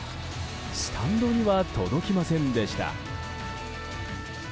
スタンドには届きませんでした。